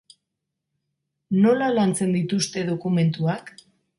Nola lantzen dituzte dokumentuak?